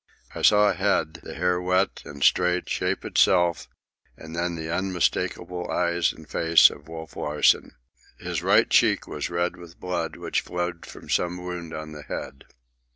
I saw a head, the hair wet and straight, shape itself, and then the unmistakable eyes and face of Wolf Larsen. His right cheek was red with blood, which flowed from some wound in the head.